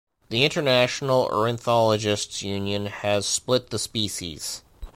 The International Ornithologists' Union has split the species.